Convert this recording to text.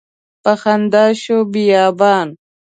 په خندا شو بیابان